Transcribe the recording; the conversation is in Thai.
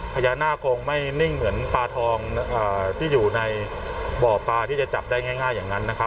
พญานาคงไม่นิ่งเหมือนปลาทองที่อยู่ในบ่อปลาที่จะจับได้ง่ายอย่างนั้นนะครับ